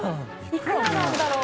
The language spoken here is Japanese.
いくらなんだろう？